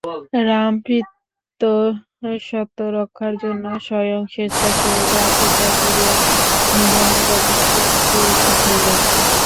রাম পিতৃসত্য রক্ষার জন্য স্বয়ং স্বেচ্ছাপূর্বক রাজ্যত্যাগ করিয়া বনগমনে প্রস্তুত হইলেন।